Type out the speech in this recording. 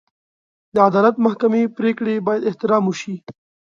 د عدالت محکمې پرېکړې باید احترام شي.